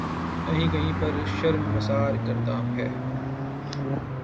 نہ ہی کہیں پر شرمسار کرتا ہے۔